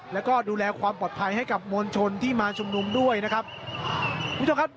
แล้วก็ดูแลความปลอดภัยให้กับมวลชนที่มาชุมนุมด้วยนะครับคุณผู้ชมครับ